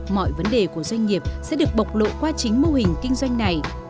mọi vấn đề của doanh nghiệp sẽ được bộc lộ qua chính mô hình kinh doanh này